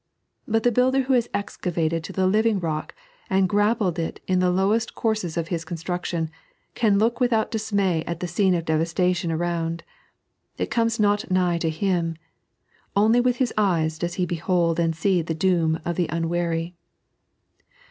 But the builder who has excavated to the living rock, and grappled it in the lowest courses of his construction, can look without dismay at the scene of devastation around. It comes not nigh to him ; only with his eyes does he behold and see the doom of the unwary.